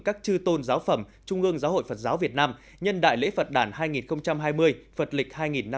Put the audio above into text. các chư tôn giáo phẩm trung ương giáo hội phật giáo việt nam nhân đại lễ phật đàn hai nghìn hai mươi phật lịch hai nghìn năm mươi